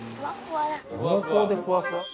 濃厚でふわふわ？